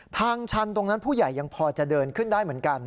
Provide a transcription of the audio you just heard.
ทางชันตรงนั้นผู้ใหญ่ยังพอจะเดินขึ้นได้เหมือนกัน